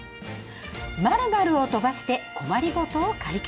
丸々を飛ばして困りごとを解決